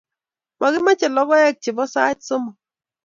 makimache lokoek che po sait somok